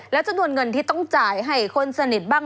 แล้วจำนวนเงินที่ต้องจ่ายให้คนสนิทบ้าง